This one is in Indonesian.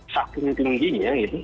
sakitnya tinggi ya gitu